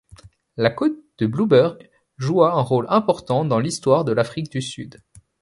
La côte de Blouberg joua un rôle important dans l'histoire de l'Afrique du Sud.